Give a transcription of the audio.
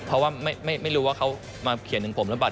เพราะว่าไม่รู้ว่าเขามาเขียนถึงผมหรือเปล่า